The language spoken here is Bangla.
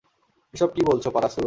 এসব কী বলছো, পারাসু?